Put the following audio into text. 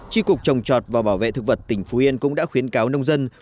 tri cục trồng trọt và bảo vệ thực vật tỉnh phú yên cũng đã khuyến cáo nông dân